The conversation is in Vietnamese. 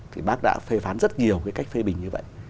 thì bác đã phê phán rất nhiều cái cách phê bình như vậy